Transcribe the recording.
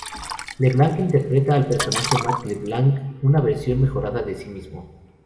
LeBlanc interpreta al personaje Matt LeBlanc una "versión mejorada de sí mismo".